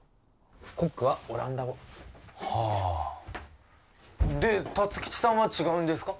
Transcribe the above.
コックはオランダ語はあで辰吉さんは違うんですか？